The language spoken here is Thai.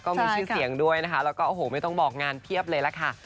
ก็มีชื่อเสียงด้วยนะคะแล้วก็โอ้โหไม่ต้องบอกงานเพียบเลยล่ะค่ะ